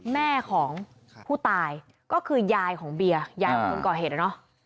แม่ของผู้ตายก็คือยายของเบียร์ยายของคนก่อเหตุนะเนอะ